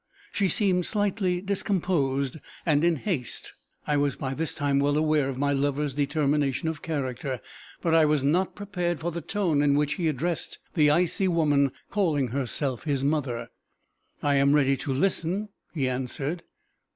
She seemed slightly discomposed, and in haste. I was by this time well aware of my lover's determination of character, but I was not prepared for the tone in which he addressed the icy woman calling herself his mother. "I am ready to listen," he answered.